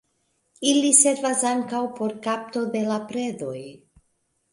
Ili servas ankaŭ por kapto de la predoj.